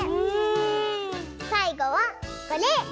さいごはこれ。